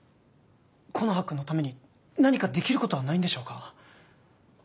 木の葉君のために何かできることはないんでしょうか？